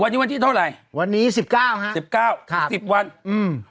วันนี้วันที่เท่าไหร่วันนี้สิบเก้าฮะสิบเก้าค่ะสิบวันอืม